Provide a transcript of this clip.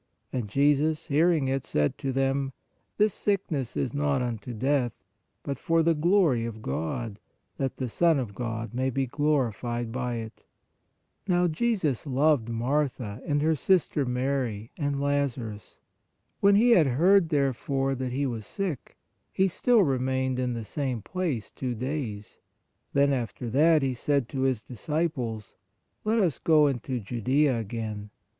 And Jesus, hearing it, said to them: This sickness is not unto death, but for the glory of God, that the Son of God may be glorified by it. Now Jesus loved Martha, and her sister Mary, and Lazarus. When He had heard, therefore, that he was sick, He still remained in the same place two days. Then after that, He said to His disciples: Let us go into Judea again.